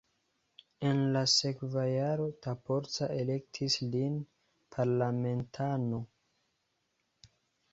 En la sekva jaro Tapolca elektis lin parlamentano.